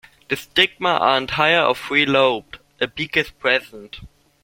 The stigma are entire or three-lobed; a beak is present.